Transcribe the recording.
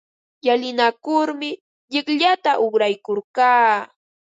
Llalinakurmi llikllata uqraykurqaa.